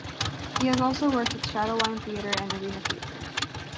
He has also worked with Shadow Line Theater and Arena Theater.